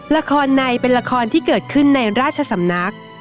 ละครในเป็นละครที่เกิดขึ้นในราชสำนัก